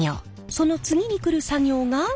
その次に来る作業が。